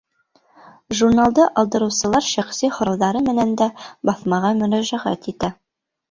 Журналды алдырыусылар шәхси һорауҙары менән дә баҫмаға мөрәжәғәт итә.